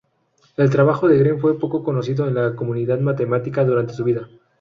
El trabajo de Green fue poco conocido en la comunidad matemática durante su vida.